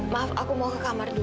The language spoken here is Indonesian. maaf aku mau ke kamar dulu